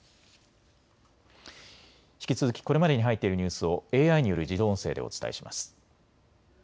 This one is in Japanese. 引き続きこれまでに入っているニュースをＡＩによる自動音声でお伝えします。